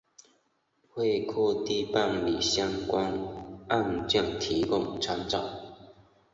为各地办理相关案件提供参照